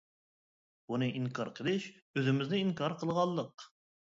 بۇنى ئىنكار قىلىش ئۆزىمىزنى ئىنكار قىلغانلىق.